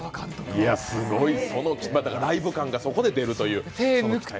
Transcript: ライブ感がそこで出るという。